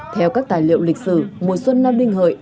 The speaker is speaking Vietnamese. theo các tài liệu lịch sử mùa xuân nam đinh hợi